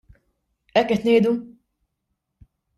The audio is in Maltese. Hekk qed ngħidu?